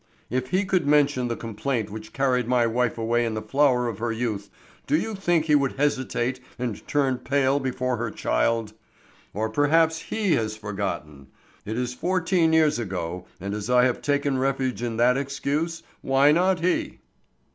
If he could mention the complaint which carried my wife away in the flower of her youth, do you think he would hesitate and turn pale before her child? Or perhaps he has forgotten; it is fourteen years ago, and as I have taken refuge in that excuse, why not he?"